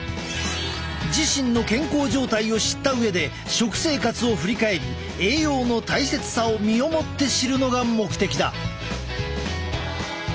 自身の健康状態を知った上で食生活を振り返り栄養の大切さを身をもって知るのが目的だ。